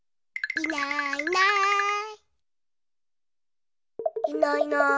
いないいない。